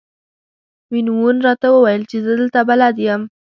وین وون راته وویل چې زه دلته بلد یم.